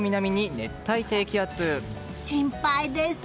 心配です。